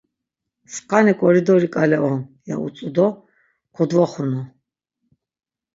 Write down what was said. Sǩani ǩoridori ǩale on, ya utzu do kodvoxunu.